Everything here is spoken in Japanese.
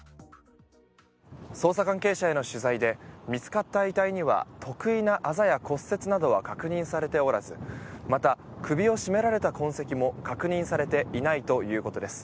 捜査関係者への取材で見つかった遺体には特異なあざや骨折などは確認されておらずまた首を絞められた痕跡も確認されていないということです。